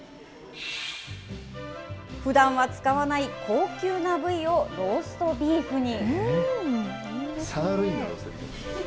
ふだんは使わない高級な部位をローストビーフに。